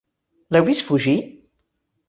L'heu vist fugir?